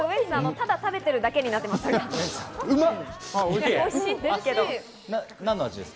ただ食べているだけになっちゃってます。